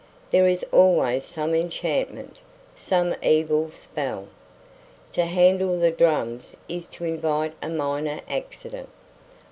There is always some enchantment, some evil spell. To handle the drums is to invite a minor accident.